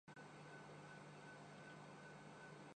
لیکن Republican Marge Roukema R New Jersey